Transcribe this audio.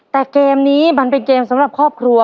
แต่เกมนี้มันเป็นเกมสำหรับครอบครัว